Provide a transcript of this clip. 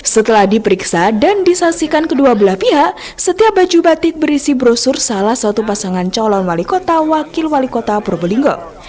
setelah diperiksa dan disaksikan kedua belah pihak setiap baju batik berisi brosur salah satu pasangan calon wali kota wakil wali kota probolinggo